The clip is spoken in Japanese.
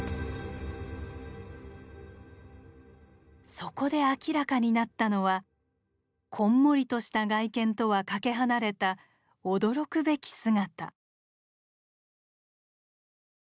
そこで明らかになったのはこんもりとした外見とはかけ離れた驚くべき姿。